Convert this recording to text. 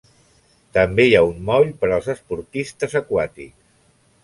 També hi ha un moll per als esportistes aquàtics.